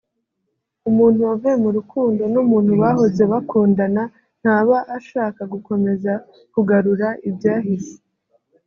umuntu wavuye mu rukundo n’umuntu bahoze bakundana ntaba ashaka gukomeza kugarura ibyahise